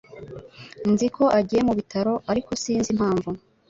Nzi ko agiye mu bitaro, ariko sinzi impamvu.